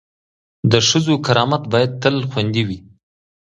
د ښځو کرامت باید تل خوندي وي.